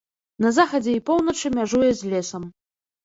На захадзе і поўначы мяжуе з лесам.